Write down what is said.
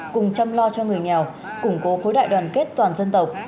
cùng chăm lo cho người nghèo củng cố khối đại đoàn kết toàn dân tộc